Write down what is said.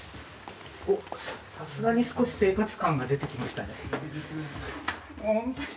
さすがに少し生活感が出てきましたね。